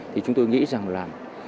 thì chúng tôi nghĩ rằng là